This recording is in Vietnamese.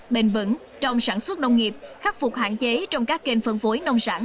bền vững trong sản xuất nông nghiệp khắc phục hạn chế trong các kênh phân phối nông sản